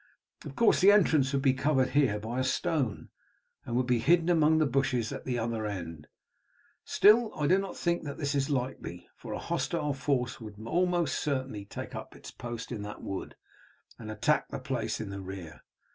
Of course the entrance would be covered here by a stone, and would be hidden among the bushes at the other end. Still I do not think that this is likely, for a hostile force would almost certainly take up its post in that wood, and attack the place in the rear.